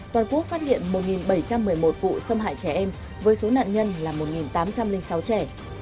toàn quốc phát hiện một bảy trăm một mươi một vụ xâm hại trẻ em với số nạn nhân là một tám trăm linh sáu trẻ